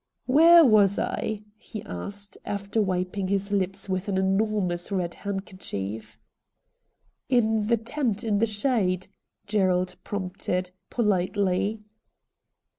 ' Where was I ?' he asked, after wiping his lips with an enormous red handkerchief. 'In the tent in the shade,' Gerald prompted, politely.